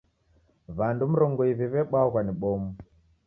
W'andu mrongo iw'i w'ebwaghwa ni bomu.